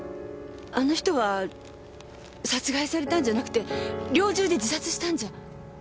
あの人は殺害されたんじゃなくて猟銃で自殺したんじゃ。